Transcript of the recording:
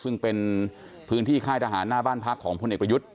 ซึ่งเป็นพื้นที่ค่ายทหารหน้าบ้านพักของพลเอกประยุทธ์